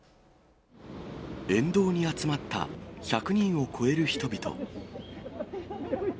沿道に集まった１００人を超える人々。